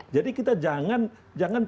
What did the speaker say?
jadi kita jangan